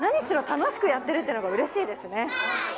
楽しくやってるというのがうれしいですね。